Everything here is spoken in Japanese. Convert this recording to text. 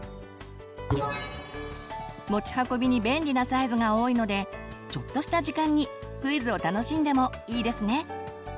持ち運びに便利なサイズが多いのでちょっとした時間にクイズを楽しんでもいいですね。